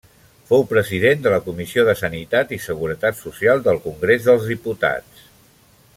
Fou president de la Comissió de Sanitat i Seguretat Social del Congrés dels Diputats.